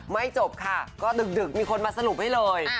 จบค่ะก็ดึกมีคนมาสรุปให้เลย